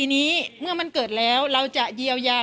กินโทษส่องแล้วอย่างนี้ก็ได้